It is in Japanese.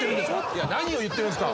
いや何を言ってるんですか。